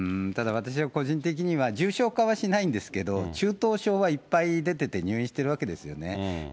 ただ、私は個人的には、重症化はしないんですけど、中等症はいっぱい出てて入院しているわけですよね。